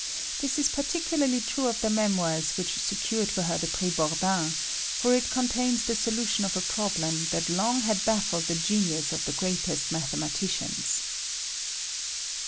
This is particularly true of the memoirs, which secured for her the Prix Bordin; for it contains the solution of a problem that long had baffled the genius of the greatest mathematicians.